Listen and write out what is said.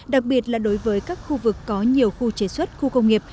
đặc biệt là đối với các khu vực có nhiều khu chế xuất khu công nghiệp